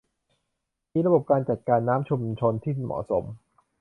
มีระบบการจัดการน้ำชุมชนที่เหมาะสม